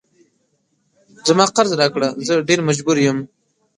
زما قرض راکړه زه ډیر مجبور یم